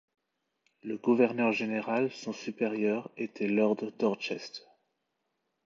Le gouverneur général, son supérieur, était lord Dorchester.